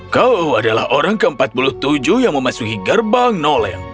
kau adalah orang ke empat puluh tujuh yang memasuki gerbang nolen